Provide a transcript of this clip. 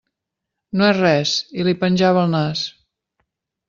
No és res, i li penjava el nas.